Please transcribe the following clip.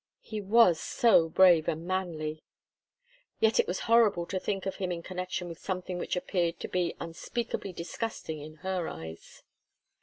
He was so brave and manly. Yet it was horrible to think of him in connection with something which appeared to be unspeakably disgusting in her eyes.